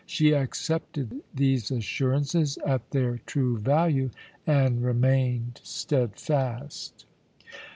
She accepted these assurances at their true value and remained steadfast.